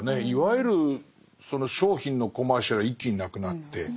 いわゆるその商品のコマーシャルは一気になくなって。